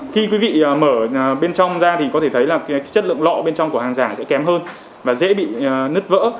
khi quý vị mở bên trong ra thì có thể thấy là chất lượng lọ bên trong của hàng giả sẽ kém hơn và dễ bị nứt vỡ